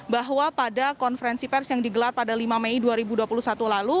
bahwa pada konferensi pers yang digelar pada lima mei dua ribu dua puluh satu lalu